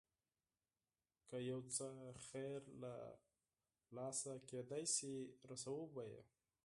که یو څه خیر له لاسه کېدای شي رسوو به یې.